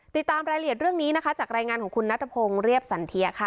ติดตามรายละเอียดเรื่องนี้นะคะจากรายงานของคุณนัทพงศ์เรียบสันเทียค่ะ